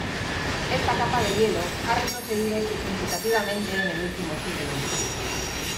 Esta capa de hielo ha retrocedido significativamente en el último siglo;.